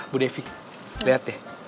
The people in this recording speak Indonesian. bu devi lihat ya